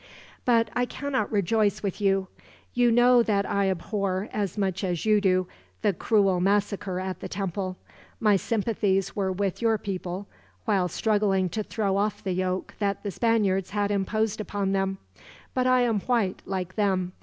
"But I cannot rejoice with you. You know that I abhor, as much as you do, the cruel massacre at the temple. My sympathies were with your people, while struggling to throw off the yoke that the Spaniards had imposed upon them; but I am white, like them.